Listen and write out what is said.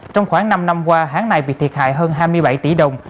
trong khoảng năm năm qua hãng này bị thiệt hại hơn hai mươi bảy tỷ đồng